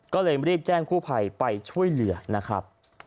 ก็เลยรีบแจ้งกู้ภัยไปช่วยเหลือนะครับ